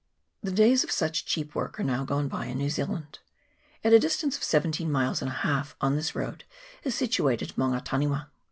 The days of such cheap work are now gone by in New Zealand. At a distance of seventeen miles and a half on this road is situated Maunga Taniwa.